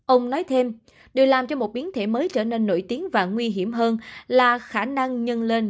ông nói thêm điều làm cho một biến thể mới trở nên nổi tiếng và nguy hiểm hơn là khả năng nhân lên